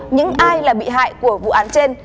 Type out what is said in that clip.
những ai là bị hại của vụ án trên